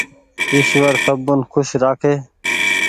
ايشور سبون کوش رآکي